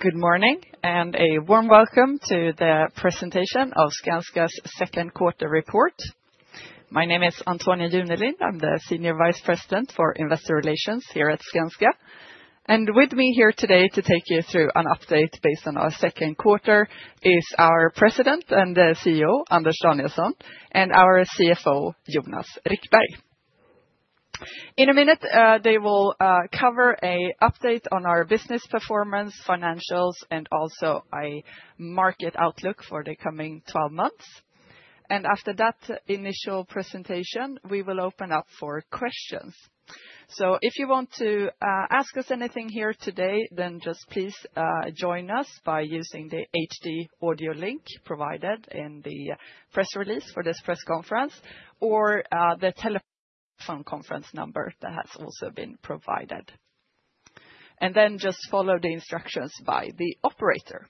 Good morning and a warm welcome to the presentation of Skanska's second quarter report. My name is Antonia Junelind, I'm the Senior Vice President for Investor Relations here at Skanska, and with me here today to take you through an update based on our second quarter is our President and CEO, Anders Danielsson, and our CFO, Jonas Rickberg. In a minute, they will cover an update on our business performance, financials, and also a market outlook for the coming 12 months. After that initial presentation, we will open up for questions. If you want to ask us anything here today, then just please join us by using the HD audio link provided in the press release for this press conference or the telephone conference number that has also been provided. Then just follow the instructions by the operator.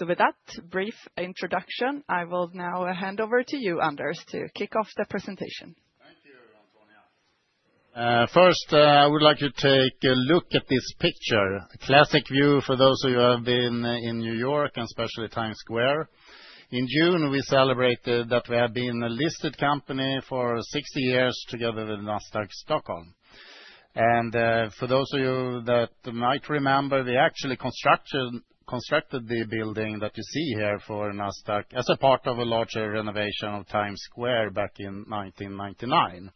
With that brief introduction, I will now hand over to you, Anders, to kick off the presentation. Thank you, Antonia. First, I would like you to take a look at this picture, a classic view for those of you who have been in New York and especially Times Square. In June, we celebrated that we have been a listed company for 60 years together with Nasdaq Stockholm. For those of you that might remember, we actually constructed the building that you see here for Nasdaq as a part of a larger renovation of Times Square back in 1999.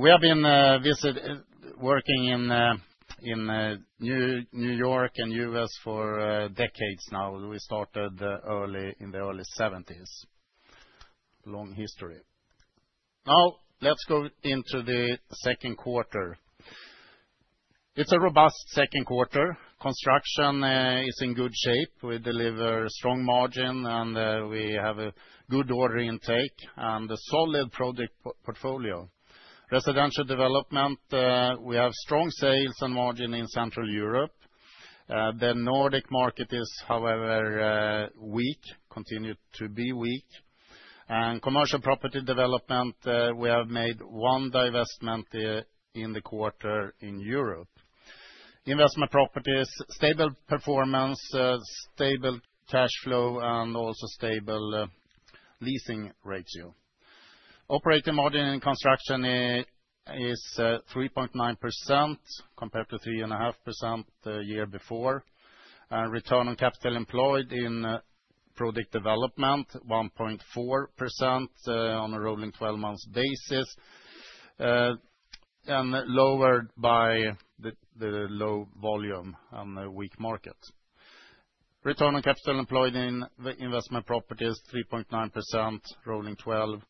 We have been working in New York and the U.S. for decades now. We started in the early 1970. Long history. Now let's go into the second quarter. It's a robust second quarter. Construction is in good shape. We deliver strong margin and we have a good order intake and a solid product portfolio. Residential development, we have strong sales and margin in Central Europe. The Nordic market is, however, weak, continued to be weak. Commercial property development, we have made one divestment in the quarter in Europe. Investment properties, stable performance, stable cash flow, and also stable leasing ratio. Operating margin in construction is 3.9% compared to 3.5% the year before. Return on capital employed in product development, 1.4% on a rolling 12-month basis lowered by the low volume and the weak market. Return on capital employed in investment properties, 3.9% rolling 12,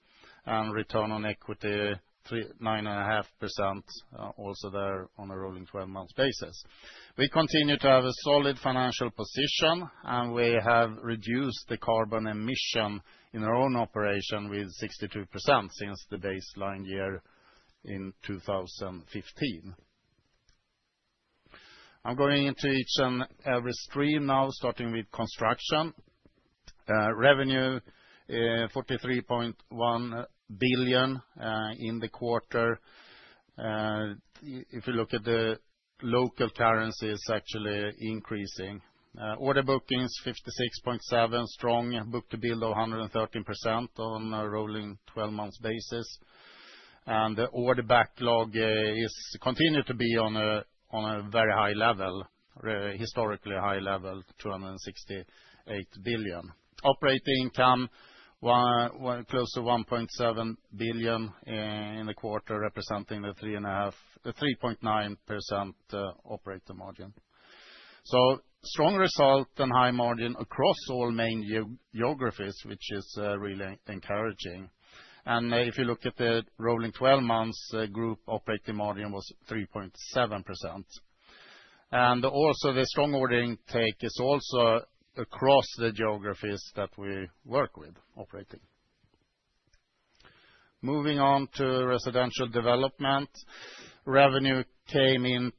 and return on equity, 9.5% also there on a rolling 12-month basis. We continue to have a solid financial position, and we have reduced the carbon emission in our own operation with 62% since the baseline year in 2015. I'm going into each and every stream now, starting with construction. Revenue 43.1 billion in the quarter. If you look at the local currencies, actually increasing. Order bookings, 56.7, strong book-to-build of 113% on a rolling 12-month basis. The order backlog continues to be on a very high level, a historically high level, 268 billion. Operating income close to 1.7 billion in the quarter, representing the 3.9% operating margin. So strong result and high margin across all main geographies, which is really encouraging. If you look at the rolling 12-month group, operating margin was 3.7%. Also the strong order intake is also across the geographies that we work with operating. Moving on to residential development. Revenue came in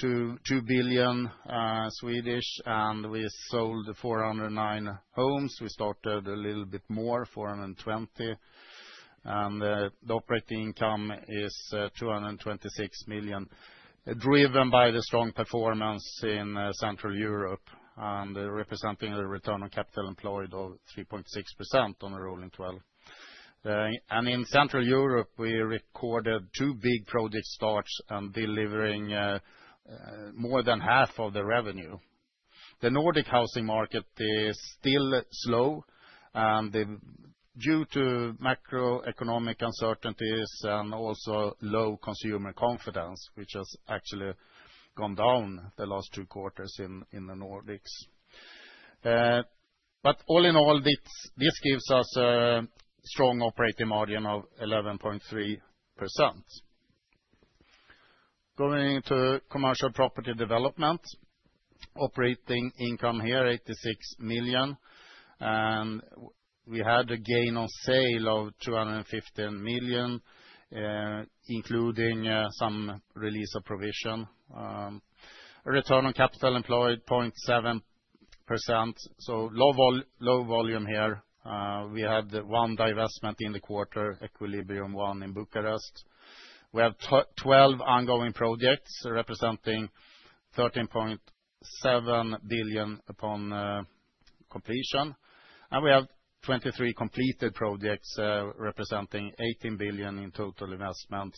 to 2 billion, and we sold 409 homes. We started a little bit more, 420. The operating income is 226 million, driven by the strong performance in Central Europe and representing the return on capital employed of 3.6% on a rolling 12. In Central Europe, we recorded two big project starts and delivering more than half of the revenue. The Nordic housing market is still slow, and due to macroeconomic uncertainties and also low consumer confidence, which has actually gone down the last two quarters in the Nordics. But all in all, this gives us a strong operating margin of 11.3%. Going to commercial property development. Operating income here, 86 million. We had a gain on sale of 215 million, including some release of provision. Return on capital employed, 0.7%. So low volume here. We had one divestment in the quarter, Equilibrium One in Bucharest. We have 12 ongoing projects, representing 13.7 billion upon completion. We have 23 completed projects, representing 18 billion in total investment.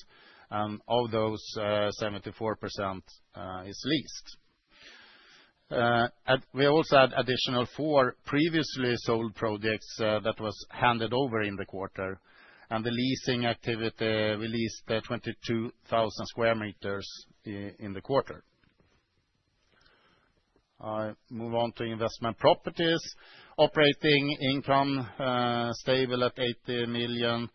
Of those, 74% is leased. We also had additional four previously sold projects that were handed over in the quarter. The leasing activity, we leased 22,000 square meters in the quarter. I move on to investment properties. Operating income stable at 80 million.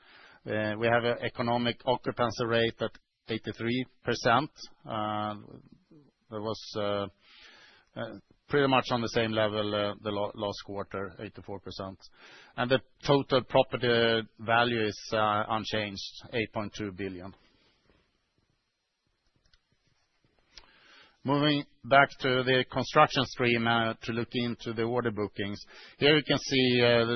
We have an economic occupancy rate at 83%. That was pretty much on the same level last quarter, 84%. The total property value is unchanged, 8.2 billion. Moving back to the construction stream to look into the order bookings. Here you can see the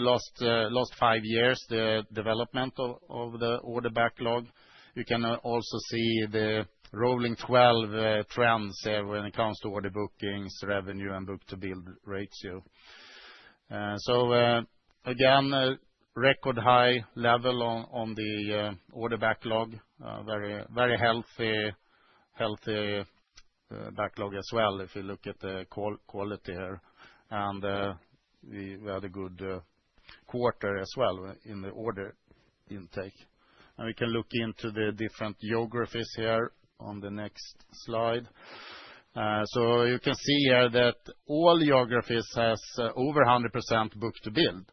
last five years, the development of the order backlog. You can also see the rolling 12 trends when it comes to order bookings, revenue, and book-to-build ratio. Again, record high level on the order backlog, very healthy backlog as well if you look at the quality here. We had a good quarter as well in the order intake. We can look into the different geographies here on the next slide. You can see here that all geographies have over 100% book-to-build,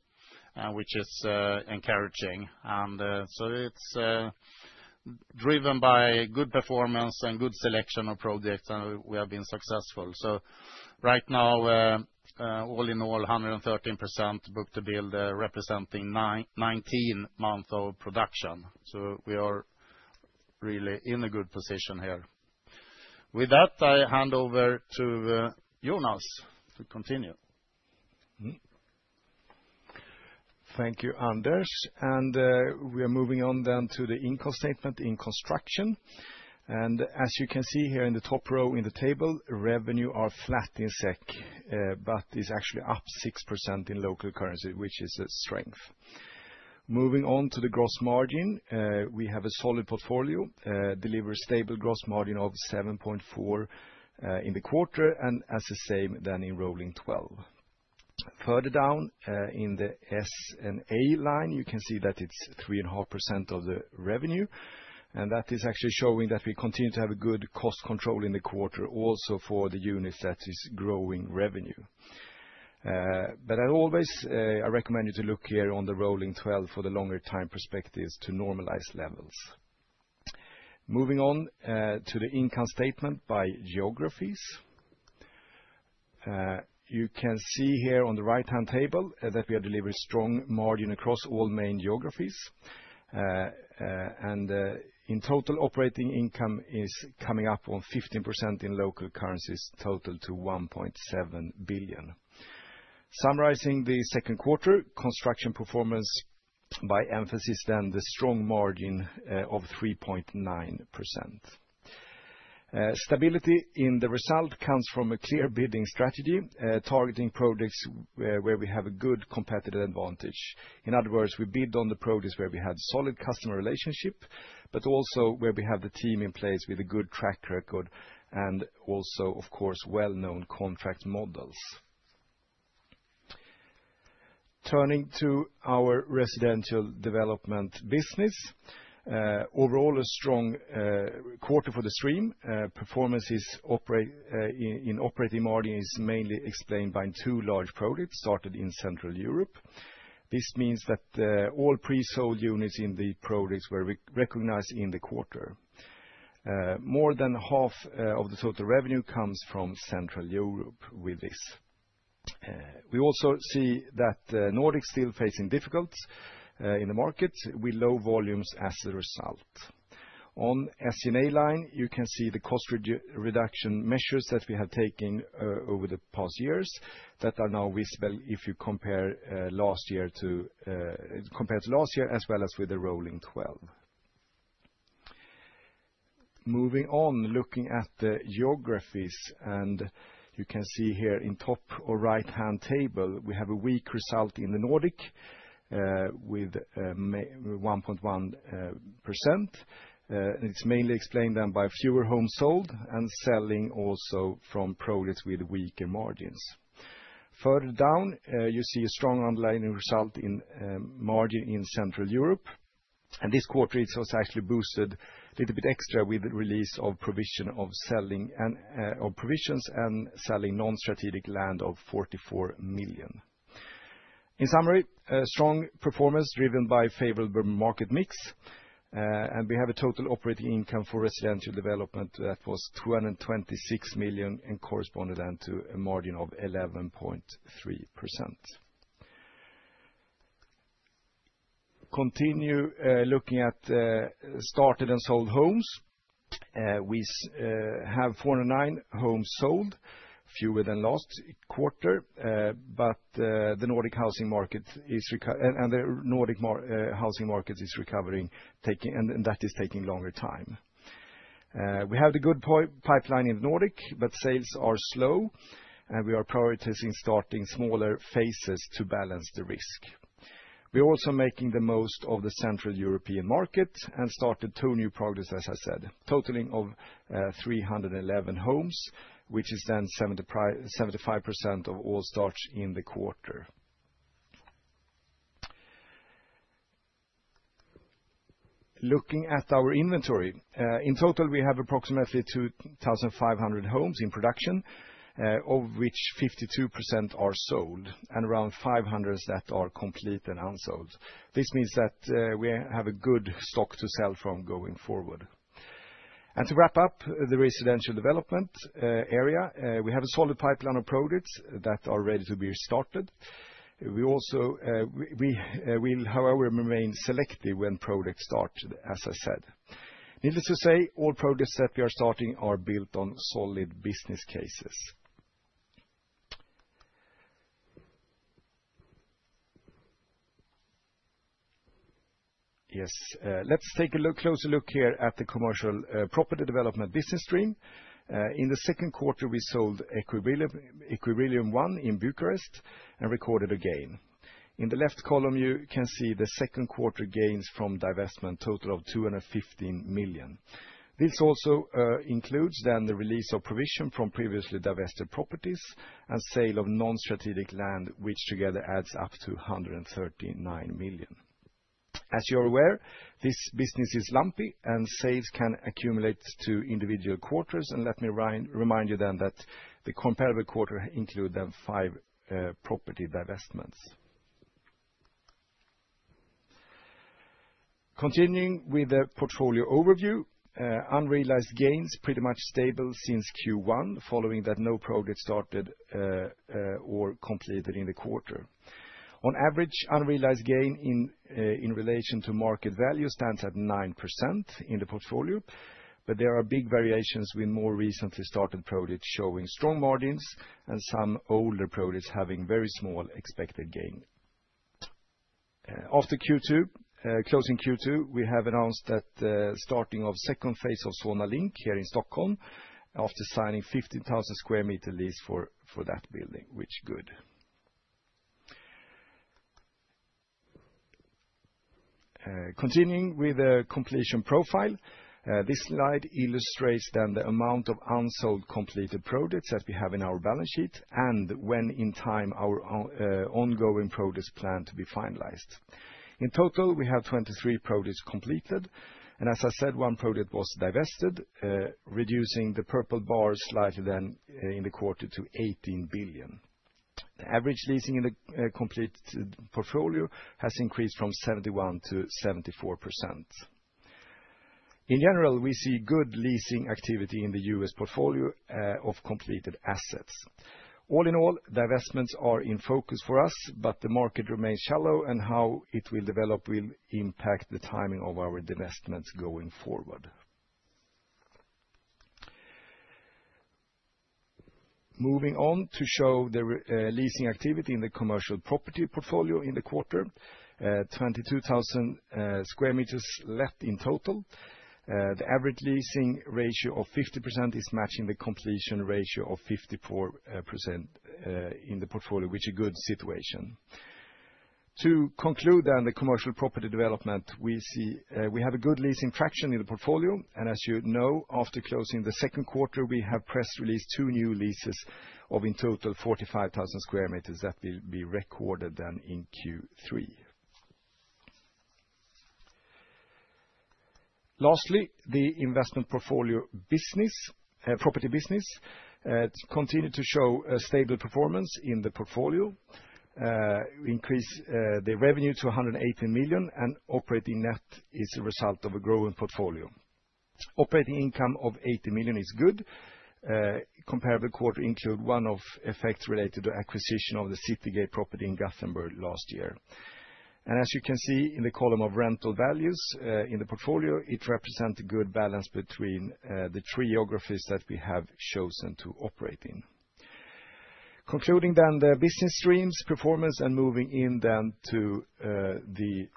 which is encouraging. It's driven by good performance and good selection of projects, and we have been successful. Right now all in all, 113% book-to-build, representing 19 months of production. We are really in a good position here. With that, I hand over to Jonas to continue. Thank you, Anders. We are moving on then to the income statement in construction. As you can see here in the top row in the table, revenue is flat in SEK, but it's actually up 6% in local currency, which is a strength. Moving on to the gross margin, we have a solid portfolio, delivering a stable gross margin of 7.4. In the quarter and as the same then in rolling 12. Further down in the S&A line, you can see that it's 3.5% of the revenue. That is actually showing that we continue to have good cost control in the quarter, also for the units that are growing revenue. But as always, I recommend you to look here on the rolling 12 for the longer time perspectives to normalize levels. Moving on to the income statement by geographies. You can see here on the right-hand table that we have delivered strong margin across all main geographies. In total, operating income is coming up on 15% in local currencies, total to 1.7 billion. Summarizing the second quarter, construction performance by emphasis then the strong margin of 3.9%. Stability in the result comes from a clear bidding strategy, targeting projects where we have a good competitive advantage. In other words, we bid on the projects where we had solid customer relationship, but also where we have the team in place with a good track record and also, of course, well-known contract models. Turning to our residential development business. Overall, a strong quarter for the stream. Performance in operating margin is mainly explained by two large projects started in Central Europe. This means that all pre-sold units in the projects were recognized in the quarter. More than half of the total revenue comes from Central Europe with this. We also see that Nordic is still facing difficulties in the market with low volumes as a result. On the S and A line, you can see the cost reduction measures that we have taken over the past years that are now visible if you compare last year to. Compared to last year as well as with the rolling 12. Moving on, looking at the geographies, and you can see here in the top or right-hand table, we have a weak result in the Nordic. With 1.1%. It's mainly explained then by fewer homes sold and selling also from projects with weaker margins. Further down, you see a strong underlying result in margin in Central Europe. This quarter has actually boosted a little bit extra with the release of provisions and selling non-strategic land of 44 million. In summary, strong performance driven by a favorable market mix. We have a total operating income for residential development that was 226 million and corresponded then to a margin of 11.3%. Continue looking at started and sold homes. We have 409 homes sold, fewer than last quarter, but the Nordic housing market is recovering, and the Nordic housing market is recovering, and that is taking longer time. We have the good pipeline in the Nordic, but sales are slow, and we are prioritizing starting smaller phases to balance the risk. We are also making the most of the Central European market and started two new projects, as I said, totaling 311 homes, which is then 75% of all starts in the quarter. Looking at our inventory, in total, we have approximately 2,500 homes in production, of which 52% are sold and around 500 that are complete and unsold. This means that we have a good stock to sell from going forward. To wrap up the residential development area, we have a solid pipeline of projects that are ready to be restarted. We will, however, remain selective when projects start, as I said. Needless to say, all projects that we are starting are built on solid business cases. Yes, let's take a closer look here at the commercial property development business stream. In the second quarter, we sold Equilibrium 1 in Bucharest and recorded a gain. In the left column, you can see the second quarter gains from divestment total of 215 million. This also includes the release of provision from previously divested properties and sale of non-strategic land, which together adds up to 139 million. As you're aware, this business is lumpy and sales can accumulate to individual quarters. Let me remind you that the comparable quarter includes five property divestments. Continuing with the portfolio overview, unrealized gains are pretty much stable since Q1, following that no project started or completed in the quarter. On average, unrealized gain in relation to market value stands at 9% in the portfolio, but there are big variations with more recently started projects showing strong margins and some older projects having very small expected gain. After Q2, closing Q2, we have announced the starting of the second phase of Solna Link here in Stockholm after signing a 15,000 sq m lease for that building, which is good. Continuing with the completion profile, this slide illustrates the amount of unsold completed projects that we have in our balance sheet and when in time our ongoing projects plan to be finalized. In total, we have 23 projects completed. As I said, one project was divested, reducing the purple bar slightly in the quarter to 18 billion. The average leasing in the completed portfolio has increased from 71%-74%. In general, we see good leasing activity in the U.S. portfolio of completed assets. All in all, divestments are in focus for us, but the market remains shallow and how it will develop will impact the timing of our divestments going forward. Moving on to show the leasing activity in the commercial property portfolio in the quarter. 22,000 sq m left in total. The average leasing ratio of 50% is matching the completion ratio of 54% in the portfolio, which is a good situation. To conclude then the commercial property development, we have a good leasing traction in the portfolio. As you know, after closing the second quarter, we have press released two new leases of in total 45,000 square meters that will be recorded then in Q3. Lastly, the investment portfolio business property business continues to show a stable performance in the portfolio. Increased the revenue to 118 million and operating net is a result of a growing portfolio. Operating income of 80 million is good. Comparable quarter includes one-off effects related to acquisition of the City Gate property in Gothenburg last year. As you can see in the column of rental values in the portfolio, it represents a good balance between the three geographies that we have chosen to operate in. Concluding then the business streams performance and moving in then to the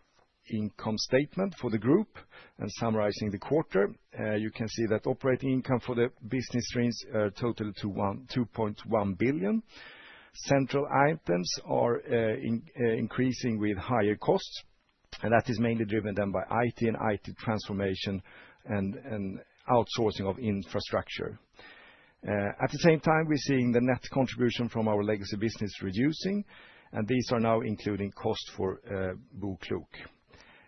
income statement for the group and summarizing the quarter, you can see that operating income for the business streams totaled to 2.1 billion. Central items are increasing with higher costs. That is mainly driven then by IT and IT transformation and outsourcing of infrastructure. At the same time, we're seeing the net contribution from our legacy business reducing. These are now including cost for book Luke,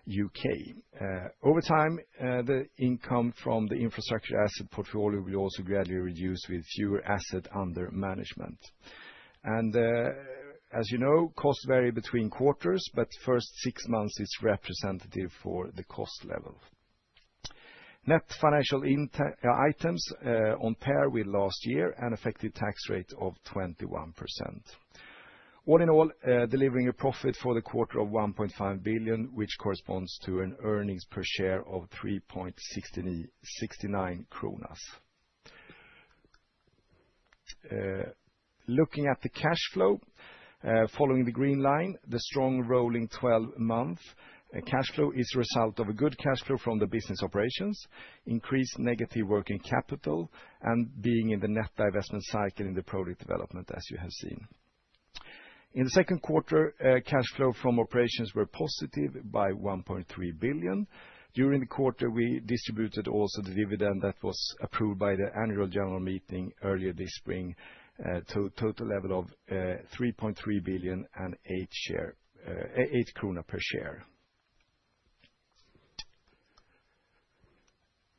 U.K. Over time, the income from the infrastructure asset portfolio will also gradually reduce with fewer assets under management. As you know, costs vary between quarters, but the first six months is representative for the cost level. Net financial items on par with last year and effective tax rate of 21%. All in all, delivering a profit for the quarter of 1.5 billion, which corresponds to an earnings per share of 3.69 kronor. Looking at the cash flow, following the green line, the strong rolling 12-month cash flow is a result of a good cash flow from the business operations, increased negative working capital, and being in the net divestment cycle in the project development, as you have seen. In the second quarter, cash flow from operations were positive by 1.3 billion. During the quarter, we distributed also the dividend that was approved by the annual general meeting earlier this spring to a total level of 3.3 billion and 8 per share.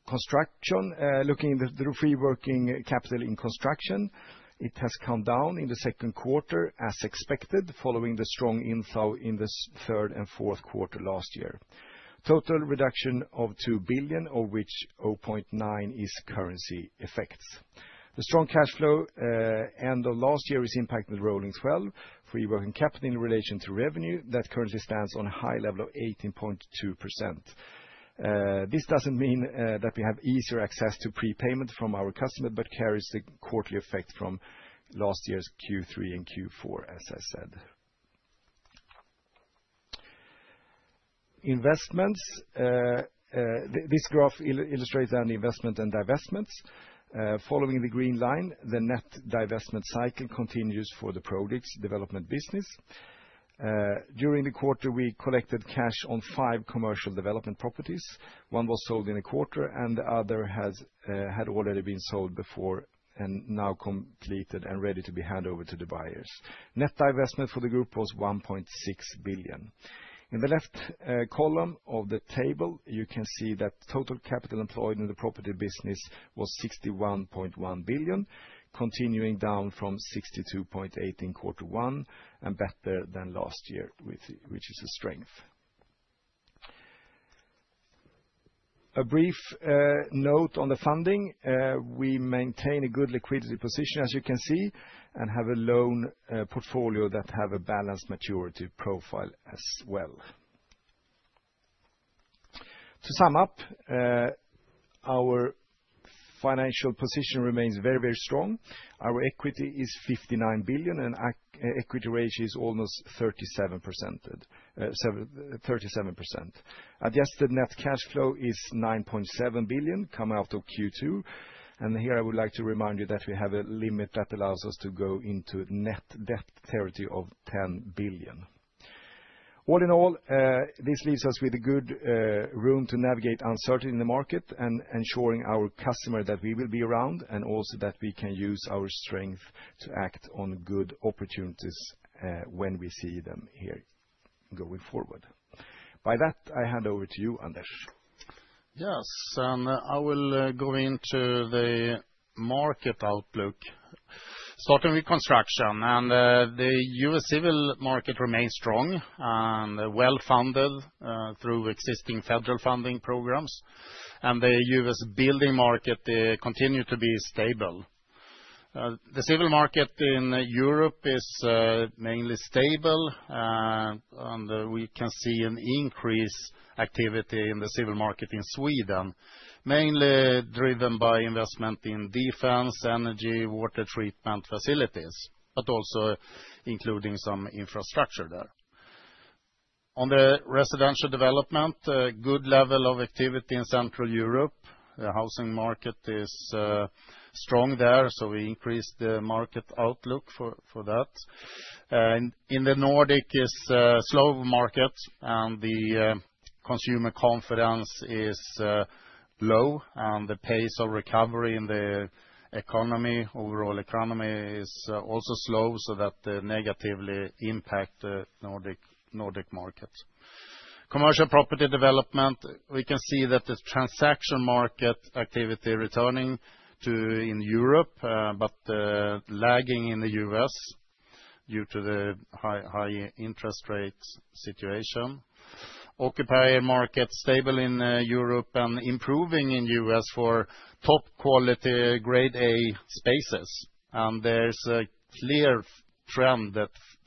Construction, looking at the free working capital in construction, it has come down in the second quarter as expected, following the strong inflow in the third and fourth quarter last year. Total reduction of 2 billion, of which 0.9 is currency effects. The strong cash flow end of last year is impacting the rolling 12, free working capital in relation to revenue that currently stands on a high level of 18.2%. This doesn't mean that we have easier access to prepayment from our customers, but carries the quarterly effect from last year's Q3 and Q4, as I said. Investments. This graph illustrates then the investment and divestments. Following the green line, the net divestment cycle continues for the projects development business. During the quarter, we collected cash on five commercial development properties. One was sold in the quarter and the other had already been sold before and now completed and ready to be handed over to the buyers. Net divestment for the group was 1.6 billion. In the left column of the table, you can see that total capital employed in the property business was 61.1 billion, continuing down from 62.8 in quarter one and better than last year, which is a strength. A brief note on the funding. We maintain a good liquidity position, as you can see, and have a loan portfolio that has a balanced maturity profile as well. To sum up. Our financial position remains very, very strong. Our equity is 59 billion and equity ratio is almost 37%. Adjusted net cash flow is 9.7 billion coming out of Q2. Here I would like to remind you that we have a limit that allows us to go into net debt territory of 10 billion. All in all, this leaves us with a good room to navigate uncertainty in the market and ensuring our customer that we will be around and also that we can use our strength to act on good opportunities when we see them here going forward. By that, I hand over to you, Anders. Yes, and I will go into the market outlook. Starting with construction, the U.S. civil market remains strong and well-funded through existing federal funding programs. The U.S. building market continues to be stable. The civil market in Europe is mainly stable. We can see an increase in activity in the civil market in Sweden, mainly driven by investment in defense, energy, water treatment facilities, but also including some infrastructure there. On the residential development, good level of activity in Central Europe. The housing market is strong there, so we increased the market outlook for that. In the Nordic region, it's a slow market and the consumer confidence is low, and the pace of recovery in the economy, overall economy, is also slow, so that negatively impacts the Nordic market. Commercial property development, we can see that the transaction market activity is returning to in Europe, but lagging in the U.S. Due to the high interest rate situation. Occupier market is stable in Europe and improving in the U.S. for top quality Grade A spaces. There's a clear trend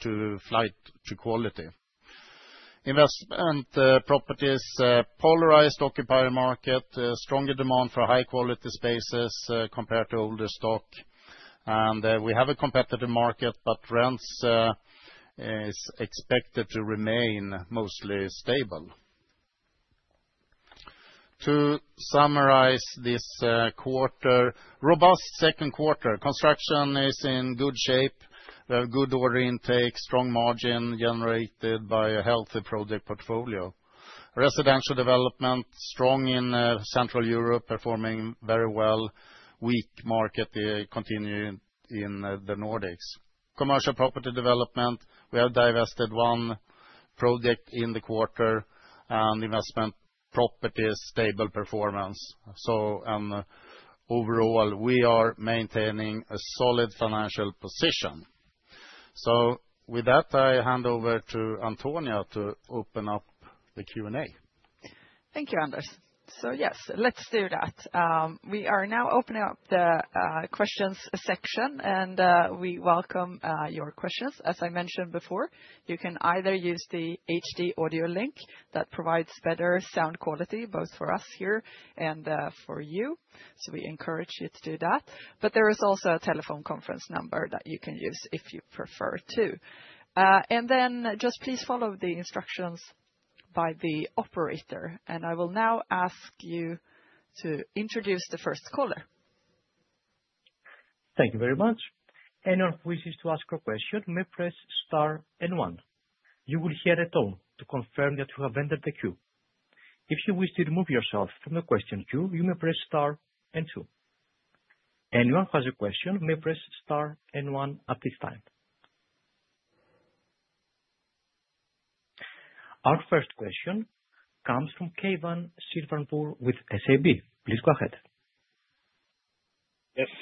to flight to quality. Investment properties, polarized occupier market, stronger demand for high quality spaces compared to older stock. We have a competitive market, but rents is expected to remain mostly stable. To summarize this quarter, robust second quarter. Construction is in good shape. We have good order intake, strong margin generated by a healthy project portfolio. Residential development, strong in Central Europe, performing very well. Weak market continuing in the Nordic region. Commercial property development, we have divested one project in the quarter and investment properties, stable performance. Overall, we are maintaining a solid financial position. With that, I hand over to Antonia to open up the Q&A. Thank you, Anders. Yes, let's do that. We are now opening up the questions section and we welcome your questions. As I mentioned before, you can either use the HD audio link that provides better sound quality, both for us here and for you. We encourage you to do that. But there is also a telephone conference number that you can use if you prefer to. Just please follow the instructions by the operator. I will now ask you to introduce the first caller. Thank you very much. Anyone who wishes to ask a question may press Star and One. You will hear a tone to confirm that you have entered the queue. If you wish to remove yourself from the question queue, you may press Star and Two. Anyone who has a question may press Star and One at this time. Our first question comes from Kevin Silverbull with SAB. Please go ahead. Yes,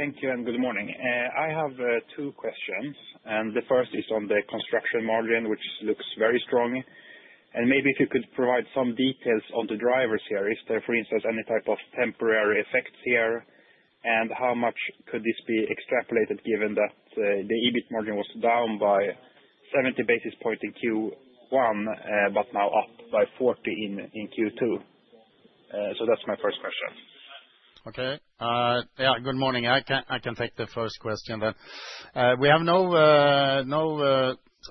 thank you and good morning. I have two questions. The first is on the construction margin, which looks very strong. Maybe if you could provide some details on the driver series. For instance, any type of temporary effects here and how much could this be extrapolated given that the EBIT margin was down by 70 basis points in Q1, but now up by 40 in Q2. That's my first question. Okay. Yeah, good morning. I can take the first question then. We have no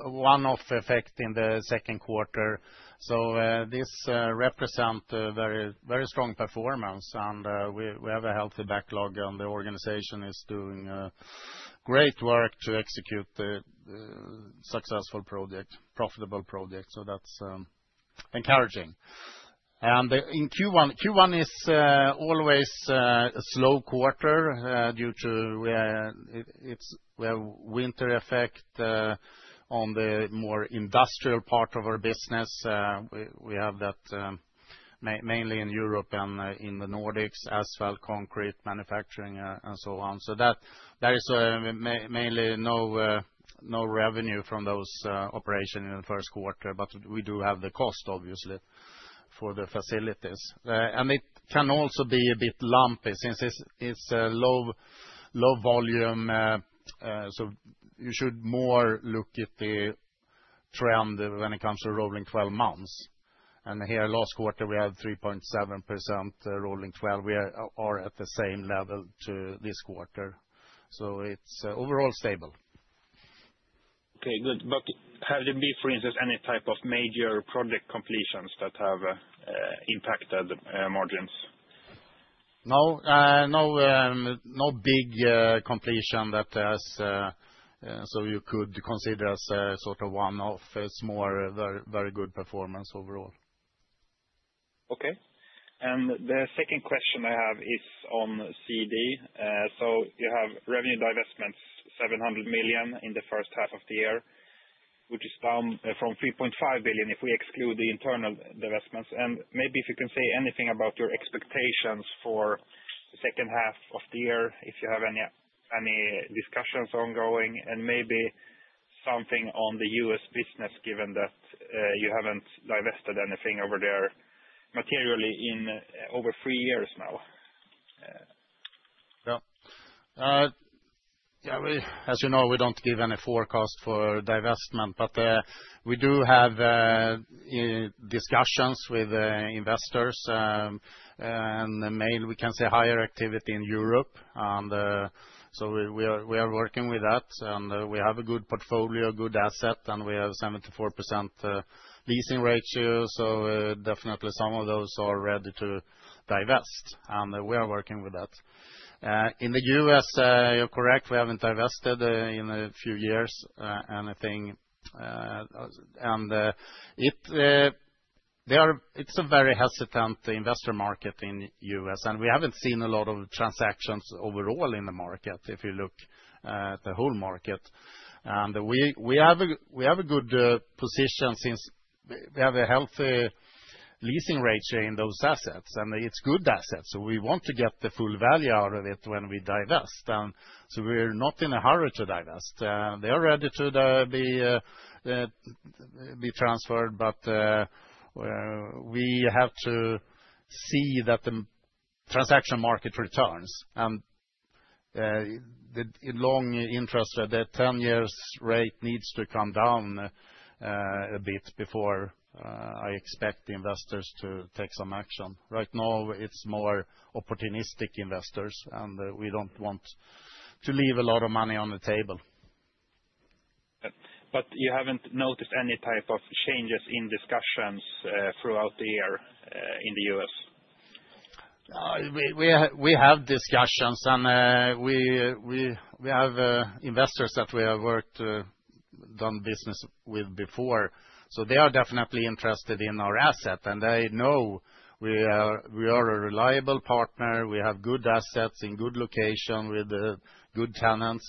one-off effect in the second quarter. This represents a very strong performance. We have a healthy backlog and the organization is doing great work to execute a successful project, profitable project. That's encouraging. In Q1, Q1 is always a slow quarter due to winter effect on the more industrial part of our business. We have that mainly in Europe and in the Nordics as well, concrete manufacturing and so on. There is mainly no revenue from those operations in the first quarter, but we do have the cost, obviously, for the facilities. It can also be a bit lumpy since it's a low volume. You should more look at the trend when it comes to rolling 12 months. Here last quarter, we had 3.7% rolling 12. We are at the same level to this quarter. It's overall stable. Okay, good. But have there been, for instance, any type of major project completions that have impacted margins? No. No big completion that has. You could consider as a sort of one-off. It's more very good performance overall. Okay. The second question I have is on CD. So you have revenue divestments, 700 million in the first half of the year, which is down from 3.5 billion if we exclude the internal divestments. And maybe if you can say anything about your expectations for the second half of the year, if you have any discussions ongoing, and maybe something on the U.S. business, given that you haven't divested anything over there materially in over three years now. Yeah. As you know, we don't give any forecast for divestment, but we do have discussions with investors. And mainly we can say higher activity in Europe. And so we are working with that. And we have a good portfolio, good asset, and we have 74% leasing ratio. So definitely some of those are ready to divest. And we are working with that. In the U.S., you're correct, we haven't divested in a few years, anything. And it's a very hesitant investor market in the U.S. And we haven't seen a lot of transactions overall in the market, if you look at the whole market. And we have a good position since we have a healthy leasing ratio in those assets. And it's good assets. So we want to get the full value out of it when we divest. And so we're not in a hurry to divest. They are ready to be transferred, but we have to see that the transaction market returns. And in long interest, the 10-year rate needs to come down a bit before I expect investors to take some action. Right now, it's more opportunistic investors. And we don't want to leave a lot of money on the table. But you haven't noticed any type of changes in discussions throughout the year in the U.S.? We have discussions. And we have investors that we have worked, done business with before. So they are definitely interested in our asset. And they know we are a reliable partner. We have good assets in good location with good tenants.